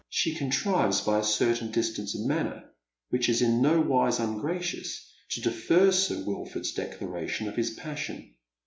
She contrives by a certain dis tance of manner, which is in no wise ungracious, to defer Sir "Wilford'a declaration of his passion.